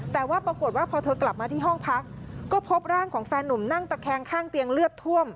แต่ว่าปรากฏว่าพอเธอกลับมาที่ห้องพักก็พบร่างของแฟนหนุ่มนั่งตะแคงข้างเตียงเลือดท่วม